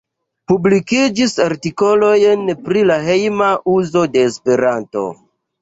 Publikigis artikolojn pri la hejma uzo de Esperanto.